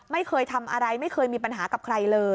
ไม่เคยทำอะไรไม่เคยมีปัญหากับใครเลย